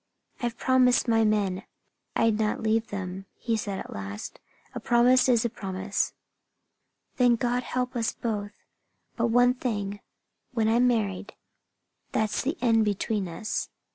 "I've promised my men I'd not leave them," he said at last. "A promise is a promise." "Then God help us both! But one thing when I'm married, that's the end between us.